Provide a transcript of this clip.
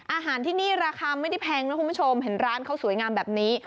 อาหารที่นี่ราคาไม่ได้แพงนะคุณผู้ชมเห็นร้านเขาสวยงามแบบนี้